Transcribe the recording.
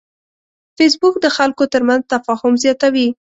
فېسبوک د خلکو ترمنځ تفاهم زیاتوي